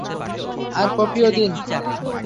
আর কফিও দিন।